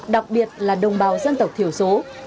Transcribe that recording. đặc biệt là đồng bào dân tộc thiểu số